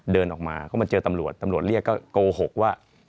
เดินออกมาก็มาเจอตำรวจตำรวจเรียกก็โกหกว่า